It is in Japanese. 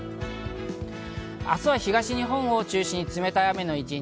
明日は東日本を中心に冷たい雨の一日。